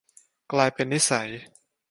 กลายเป็นนิสัย